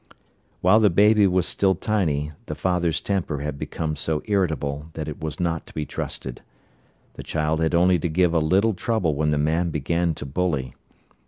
While the baby was still tiny, the father's temper had become so irritable that it was not to be trusted. The child had only to give a little trouble when the man began to bully.